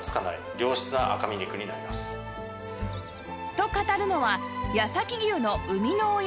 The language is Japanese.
と語るのは八崎牛の生みの親